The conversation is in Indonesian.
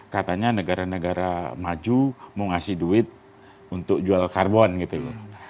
katanya negara negara maju mau ngasih duit untuk jual karbon gitu loh